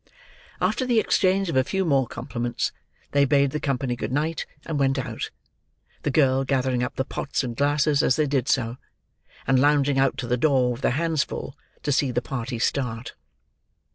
After the exchange of a few more compliments, they bade the company good night, and went out; the girl gathering up the pots and glasses as they did so, and lounging out to the door, with her hands full, to see the party start.